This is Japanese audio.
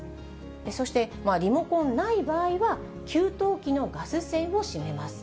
そしてリモコンない場合は、給湯器のガス栓を閉めます。